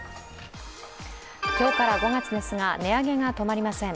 今日から５月ですが値上げが止まりません。